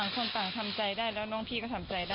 คนต่างทำใจได้แล้วน้องพี่ก็ทำใจได้